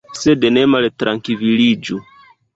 Sed ne maltrankviliĝu.